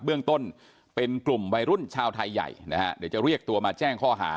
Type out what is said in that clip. เบื้องต้นเป็นกลุ่มวัยรุ่นชาวไทยใหญ่นะฮะเดี๋ยวจะเรียกตัวมาแจ้งข้อหา